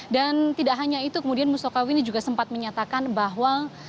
dan tidak hanya itu kemudian mustoko weni juga sempat menyatakan bahwa